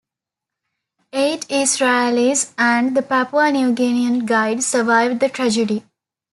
Eight Israelis and the Papua New Guinean guide survived the tragedy.